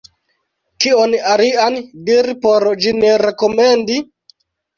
Kion alian diri por ĝin rekomendi?